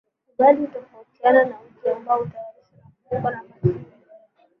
Ugali hutofautiana na uji ambao hutayarishwa na hupikwa na maziwa